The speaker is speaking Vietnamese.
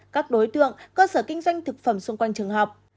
các đối tượng cơ sở kinh doanh thực phẩm xung quanh trường học